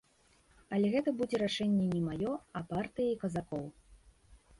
Але гэта будзе рашэнне не маё, а партыі і казакоў.